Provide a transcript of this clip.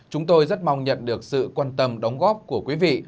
chúng tôi rất mong nhận được sự quan tâm đóng góp của quý vị